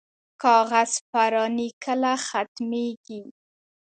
کاغذ پراني کله ختمیږي؟